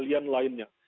hal hal yang lainnya